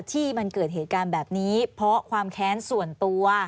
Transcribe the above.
ที่มันเกิดเหตุการณ์แบบนี้เพราะความแค้นส่วนตัว